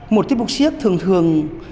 một tiết mục siếc thường thường